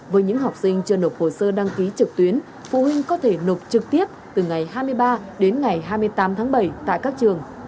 với những học sinh chưa nộp hồ sơ đăng ký trực tuyến phụ huynh có thể nộp trực tiếp từ ngày hai mươi ba đến ngày hai mươi tám tháng bảy tại các trường